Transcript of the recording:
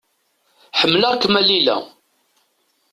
Ḥemmleɣ-kem a Lila.